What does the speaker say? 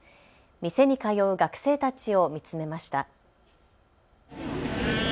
店に通う学生たちを見つめました。